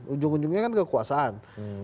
ujung ujungnya kan kekuasaan